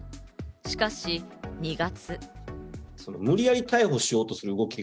しかし２月。